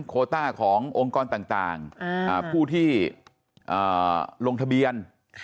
โคต้าขององค์กรต่างผู้ที่ลงทะเบียน